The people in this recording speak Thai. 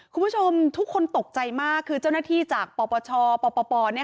คุณผู้ชมทุกคนตกใจมากคือเจ้าหน้าที่จากปปชปป